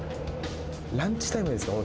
ランチタイムですか？